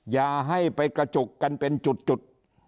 อย่าให้ไปกระจุกกันเป็นจุด